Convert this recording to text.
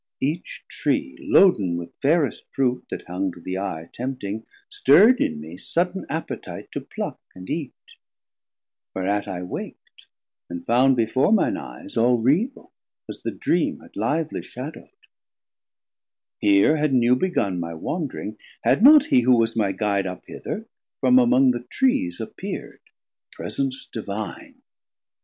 Each Tree Load'n with fairest Fruit, that hung to the Eye Tempting, stirr'd in me sudden appetite To pluck and eate; whereat I wak'd, and found Before mine Eyes all real, as the dream 310 Had lively shadowd: Here had new begun My wandring, had not hee who was my Guide Up hither, from among the Trees appeer'd, Presence Divine.